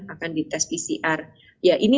akan dites pcr ya ini